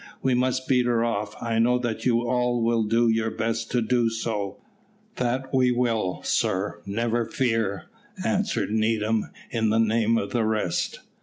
We must beat her off. I know that you all will do your best to do so." "That we will, sir, never fear," answered Needham, in the name of the rest.